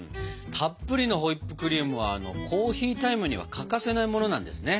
たっぷりのホイップクリームはコーヒータイムには欠かせないものなんですね。